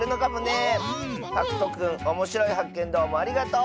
はくとくんおもしろいはっけんどうもありがとう。